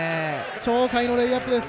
鳥海のレイアップです。